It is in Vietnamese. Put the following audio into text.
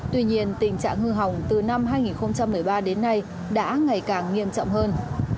tuy nhiên tình trạng hư hỏng từ năm hai nghìn một mươi ba đến nay đã ngày càng nghiêm trọng hơn